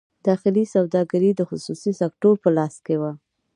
داخلي سوداګري د خصوصي سکتور په لاس کې وه.